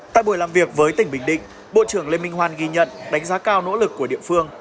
tại buổi làm việc với tỉnh bình định bộ trưởng lê minh hoan ghi nhận đánh giá cao nỗ lực của địa phương